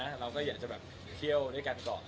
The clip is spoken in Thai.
ที่เราก็อยากไปเที่ยวด้วยกันก่อน